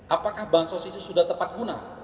apakah bansos itu sudah tepat guna